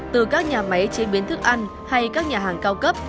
từ các nhà máy chế biến thức ăn hay các nhà hàng cao cấp